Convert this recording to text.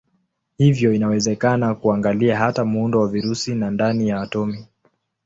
Hivyo inawezekana kuangalia hata muundo wa virusi na ndani ya atomi.